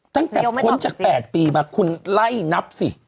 ตั้งแต่พ้นจาก๘ปีมาคุณไล่นับสิ